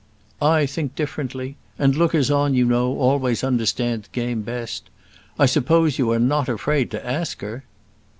"I think differently; and lookers on, you know, always understand the game best. I suppose you are not afraid to ask her."